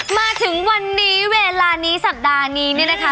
มาถึงวันนี้เวลานี้สัปดาห์นี้เนี่ยนะคะ